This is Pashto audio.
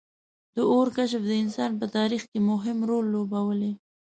• د اور کشف د انسان په تاریخ کې مهم رول لوبولی.